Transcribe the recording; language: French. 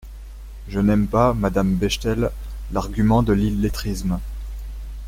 Je n’aime pas, madame Bechtel, l’argument de l’illettrisme.